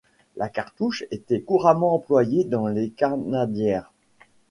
La cartouche était couramment employée dans les canardières.